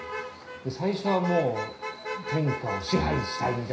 最初はもう天下を支配したい！みたいな。